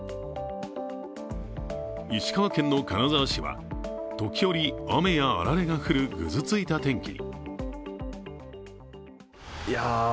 石川県の金沢市は時折雨やあられが降るぐずついた天気に。